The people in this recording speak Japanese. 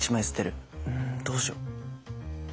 うんどうしよう。